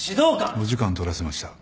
お時間取らせました。